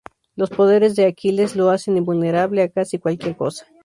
Los poderes de Aquiles lo hacen invulnerable a casi cualquier cosa.